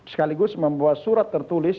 sekaligus membuat surat tertulis